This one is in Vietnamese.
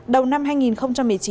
đầu năm hai nghìn một mươi chín